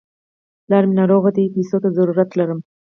پلار مې ناروغ دی، پيسو ته ضرورت لرم.